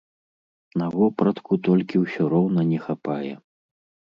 На вопратку толькі ўсё роўна не хапае.